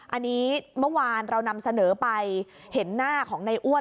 อันนี้เมื่อวานเรานำเสนอไปเห็นหน้าของในอ้วน